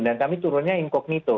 dan kami turunnya incognito